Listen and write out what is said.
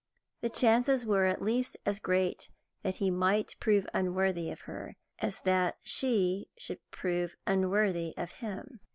The chances were at least as great that he might prove unworthy of her, as that she should prove unworthy of him.